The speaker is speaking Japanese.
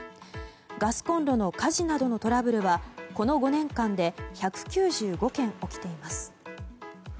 ガスコンロの火事などのトラブルはこの５年間で１９５件起きています。